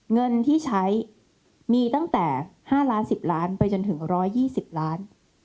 เงินที่ใช้มีตั้งแต่๕ล้าน๑๐ล้านไปจนถึง๑๒๐ล้าน